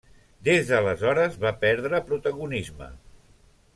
Des d'aleshores va perdre protagonisme.